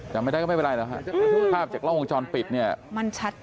จำไม่ได้ก็ไม่เป็นไรแล้วค่ะภาพจากโลกองค์จรปิดเนี่ย